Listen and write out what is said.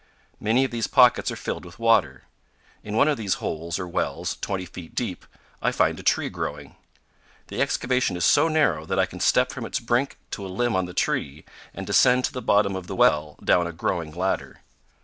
Many of these pockets are filled with water. In one of these holes or wells, 20 feet deep, I find a tree growing. The excavation is so narrow that I can step from its brink to a limb on the tree and descend to the bottom of the well down a growing ladder.